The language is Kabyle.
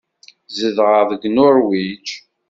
Zedɣeɣ deg Nuṛwij.